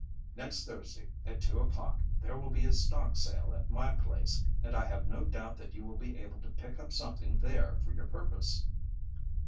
"Next Thursday at two o'clock there will be a stock sale at my place and I have no doubt that you will be able to pick up something there for your purpose."